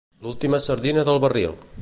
L'última sardina del barril.